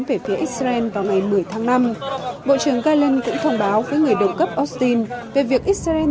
về phía israel vào ngày một mươi tháng năm bộ trưởng gareland cũng thông báo với người đồng cấp austin về việc israel